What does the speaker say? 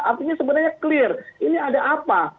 artinya sebenarnya clear ini ada apa